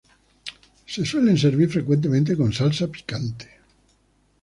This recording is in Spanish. Se suelen servir frecuentemente con salsa picante.